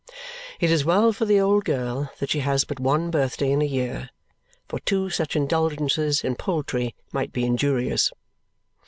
It is well for the old girl that she has but one birthday in a year, for two such indulgences in poultry might be injurious.